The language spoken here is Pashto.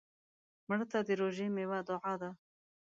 مړه ته د روژې میوه دعا ده